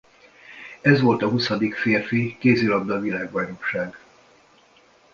Ez volt a huszadik férfi kézilabda-világbajnokság.